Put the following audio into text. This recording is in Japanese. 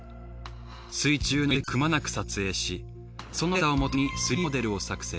水中の遺跡をくまなく撮影しそのデータをもとに３Ｄモデルを作成。